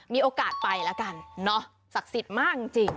มีโอกาสไปละกันเนาะสักสิทธิ์มากจริง